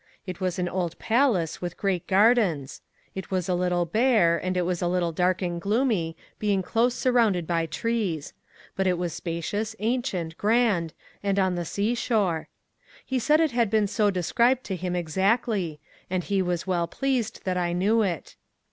It was an old palace with great gardens. It was a little bare, and it was a little dark and gloomy, being close surrounded by trees; but it was spacious, ancient, grand, and on the seashore. He said it had been so described to him exactly, and he was well pleased that I knew it.